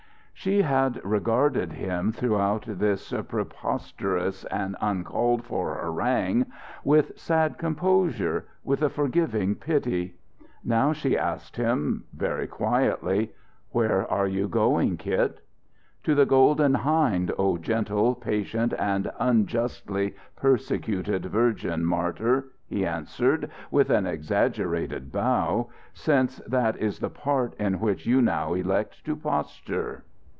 She had regarded him, throughout this preposterous and uncalled for harangue, with sad composure, with a forgiving pity. Now she asked him, very quietly, "Where are you going, Kit?" "To the Golden Hind, O gentle, patient and unjustly persecuted virgin martyr!" he answered, with an exaggerated how "since that is the part in which you now elect to posture."